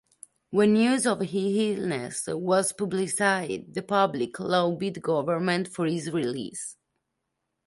When news of his illness was publicised, the public lobbied government for his release.